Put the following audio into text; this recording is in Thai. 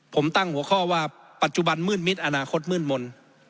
ผมตั้งหัวข้อว่าปัจจุบันมืดมิดอนาคตมืดมนต์